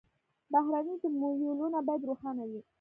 بهرني تمویلونه باید روښانه وي.